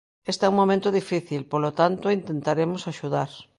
Este é un momento difícil, polo tanto intentaremos axudar.